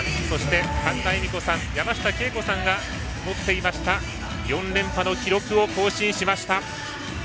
神田絵美子さん、山下恵子さんが持っていた４連覇の記録を更新しました。